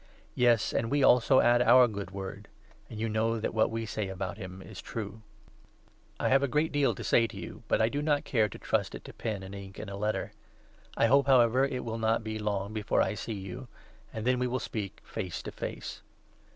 Yes, and we also add our good word, and you know that what we say about him is true. 492 III. JOHN. I have a great deal to say to you, but I do not care to trust 13 it to pen and ink in a letter. I hope, however, it will not 14 be long before I see you, and then we will speak face to face.